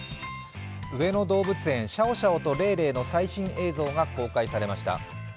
上野動物園シャオシャオとレイレイの最新映像が公開されました。